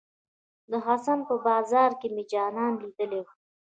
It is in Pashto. د حسن په بازار کې مې جانان ليدلی وه.